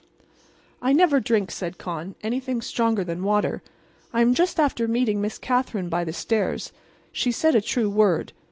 "I never drink," said Con, "anything stronger than water. I am just after meeting Miss Katherine by the stairs. She said a true word.